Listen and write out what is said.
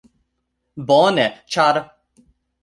Bone ĉar...